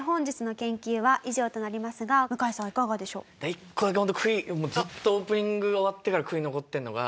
１個だけホント悔いずっとオープニングが終わってから悔い残ってるのが。